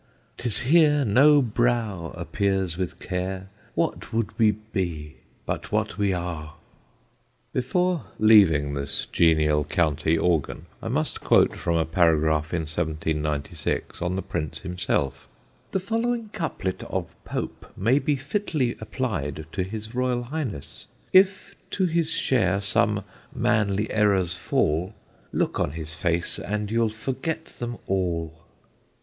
'Tis here no brow appears with care, What would we be, but what we are? Before leaving this genial county organ I must quote from a paragraph in 1796 on the Prince himself: "The following couplet of Pope may be fitly applied to his Royal Highness: If to his share some manly errors fall, Look on his face and you'll forget them all."